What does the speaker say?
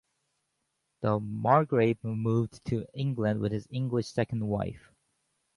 The Margrave moved to England with his English second wife.